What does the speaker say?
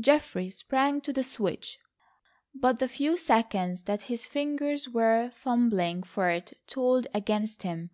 Geoffrey sprang to the switch, but the few seconds that his fingers were fumbling for it told against him.